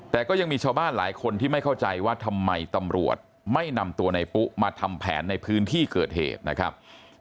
แต่ก็ยังมีชาวบ้านหลายคนที่ไม่เข้าใจว่าทำไมตำรวจไม่นำตัวในปุ๊มาทำแผนในพื้นที่เกิดเหตุนะครับ